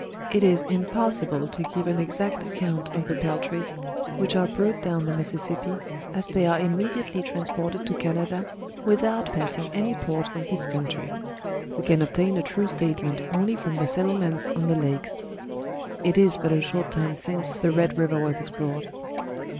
It is impossible to give an exact account of the Peltries, which are brought down the Mississippi, as they are imme diately transported to Canada, without passing any port of this country: we can obtain a true statement only from the settlements on the Lakes. It is but a short time since the Red river was explored.